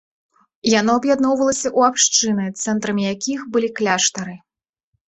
Яно аб'ядноўвалася ў абшчыны, цэнтрамі якіх былі кляштары.